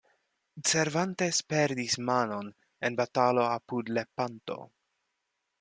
Cervantes perdis manon en batalo apud Lepanto.